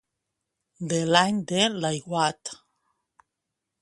De l'any de l'aiguat.